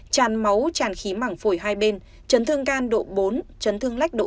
tràn máu tràn khí mảng phổi hai bên chấn thương can độ bốn chấn thương lách độ hai